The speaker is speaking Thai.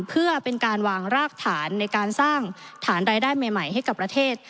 เพื่อเป็นการวางรากฐานในการสร้างฐานรายได้ใหม่ให้กับประเทศ